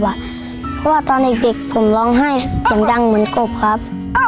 เพราะว่าตอนเด็กผมร้องไห้เสียงดังเหมือนกบครับ